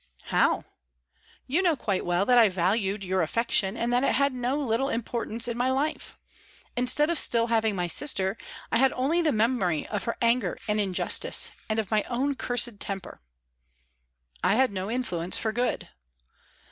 "How?" "You know quite well that I valued your affection, and that it had no little importance in my life. Instead of still having my sister, I had only the memory of her anger and injustice, and of my own cursed temper." "I had no influence for good."